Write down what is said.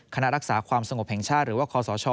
คณะรักษาความสงบแห่งชาติหรือว่าคศ